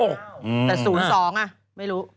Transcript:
แต่๐๒อ่ะไม่รู้